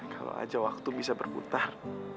kalau ada waktu bisa berputar